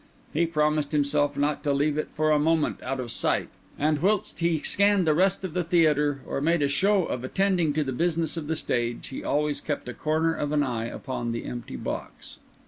He promised himself not to leave it for a moment out of sight; and whilst he scanned the rest of the theatre, or made a show of attending to the business of the stage, he always kept a corner of an eye upon the empty box.